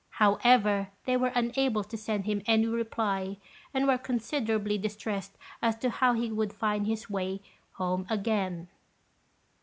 However, they were unable to send him any reply, and were considerably distressed as to how he would find his way home again.